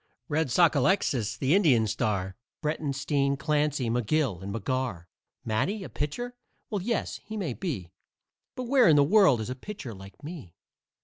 Red Sockalexis, the Indian star, Breitenstein, Clancy, McGill and McGarr. Matty a pitcher? Well, yes, he may be, But where in the world is a pitcher like me?